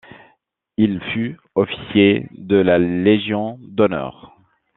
Il fut Officier de la Légion d'Honneur.